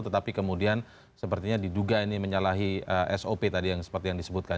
tetapi kemudian sepertinya diduga ini menyalahi sop tadi yang seperti yang disebutkan